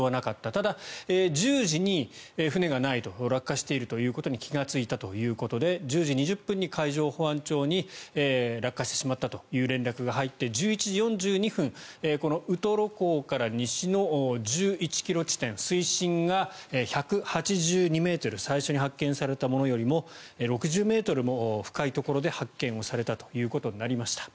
ただ、１０時に船がない落下しているということに気がついたということで１０時２０分に海上保安庁に落下してしまったという連絡が入って１１時４２分ウトロ港から西の１１ｋｍ地点水深が１８２ｍ最初に発見されたものよりも６０ｍも深いところで発見されたということになりました。